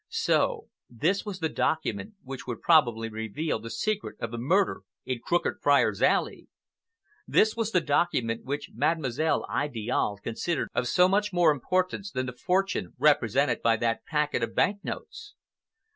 So this was the document which would probably reveal the secret of the murder in Crooked Friars' Alley! This was the document which Mademoiselle Idiale considered of so much more importance than the fortune represented by that packet of bank notes!